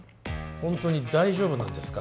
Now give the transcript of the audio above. ホントに大丈夫なんですか？